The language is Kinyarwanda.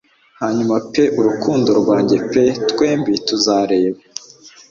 Hanyuma pe urukundo rwanjye pe twembi tuzareba